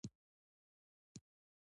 مېلې د ټولني یووالی ښيي.